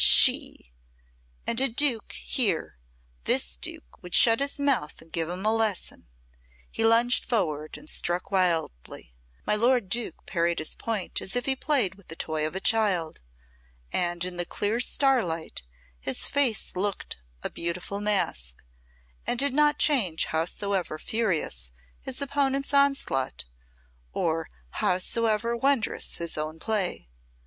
She! And a Duke here this Duke would shut his mouth and give him a lesson. He lunged forward and struck wildly; my lord Duke parried his point as if he played with the toy of a child, and in the clear starlight his face looked a beautiful mask, and did not change howsoever furious his opponent's onslaught, or howsoever wondrous his own play.